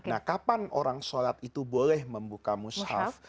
nah kapan orang sholat itu boleh membuka mushaf